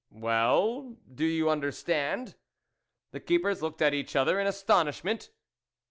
" Well, do you understand ?" The keepers looked at each other in astonishment.